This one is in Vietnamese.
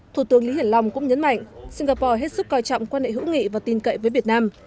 thủ tướng lý hiển long cũng nhấn mạnh singapore hết sức coi trọng quan hệ hữu nghị và tin cậy với việt nam